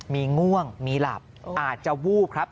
มีง่วงมีหลับอาจจะวูบครับ